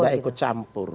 tidak ikut campur